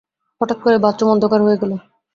হঠাৎ করে বাথরুম অন্ধকার হয়ে গেল।